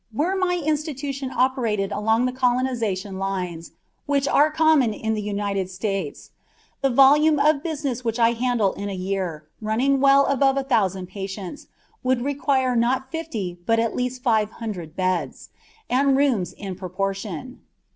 Were my institution operated along the colonization lines which are common in the United States, the volume of business which I handle in a year, running well above a thousand patients, would require not fifty, but at least five hundred beds, and rooms in proportion.